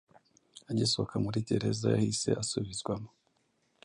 agisohoka muri gereza yahise asubizwamo